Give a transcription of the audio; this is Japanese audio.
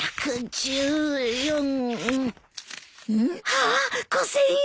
はあ５，０００円！